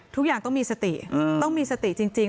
ทุกอย่างต้องมีสติต้องมีสติจริง